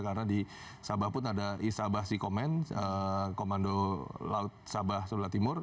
karena di sabah pun ada isabah sea command komando laut sabah selatan timur